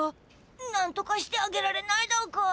なんとかしてあげられないだか？